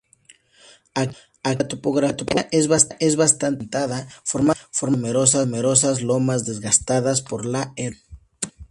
Aquí, la topografía es bastante accidentada, formada por numerosas lomas desgastadas por la erosión.